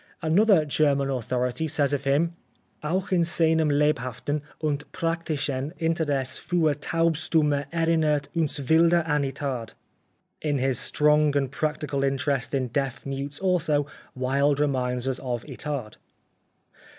Another German autho rity says of him :" auch in seinem lebhaften und praktischen Interesse fuer Taubstumme erinnert uns Wilde an Itard " (in his strong and practical interest in deaf mutes also, Wilde re minds us of Itard).